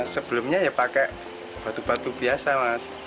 sebelumnya ya pakai batu batu biasa mas